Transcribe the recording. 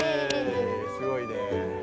すごいねぇ。